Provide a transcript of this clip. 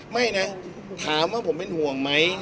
ไม่นะถามว่าผมเป็นห่วงไหม